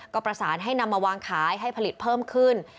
ก็ประสานให้นำมาวางขายให้ผลิตเพิ่มขึ้น